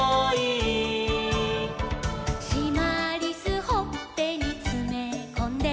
「しまりすほっぺにつめこんで」